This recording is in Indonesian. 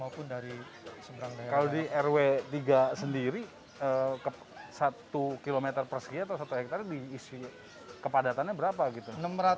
kalau di rw tiga sendiri satu km persegi atau satu hektare diisi kepadatannya berapa gitu